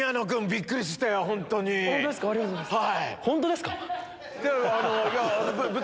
ありがとうございます。